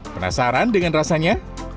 penasaran dengan rasanya